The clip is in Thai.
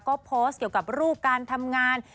ก็โพสต์เกี่ยวกับรูปการทำงาน